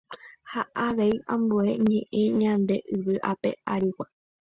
ha avei ambue ñe'ẽ ñande yvy ape arigua.